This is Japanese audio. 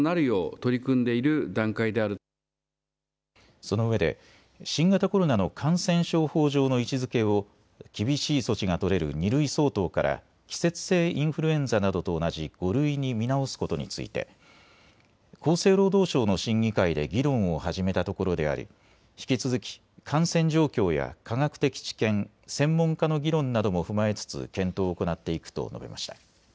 そのうえで新型コロナの感染症法上の位置づけを厳しい措置が取れる２類相当から季節性インフルエンザなどと同じ５類に見直すことについて厚生労働省の審議会で議論を始めたところであり引き続き感染状況や科学的知見、専門家の議論なども踏まえつつ検討を行っていくと述べました。